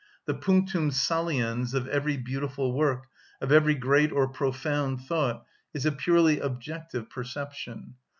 The punctum saliens of every beautiful work, of every great or profound thought, is a purely objective perception.